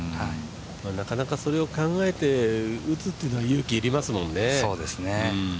なかなかそれを考えて打つというのは勇気が要りますよね。